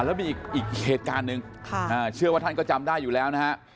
แล้วมีอีกเหตุการณ์หนึ่งเชื่อว่าท่านก็จำได้อยู่แล้วนะฮะ